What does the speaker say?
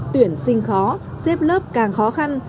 tuyển sinh khó xếp lớp càng khó khăn